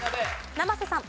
生瀬さん。